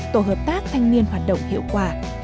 tổ hợp tác thanh niên hoạt động hiệu quả